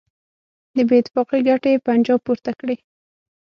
د بېاتفاقۍ ګټه یې پنجاب پورته کړي.